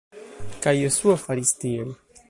Kaj Josuo faris tiel.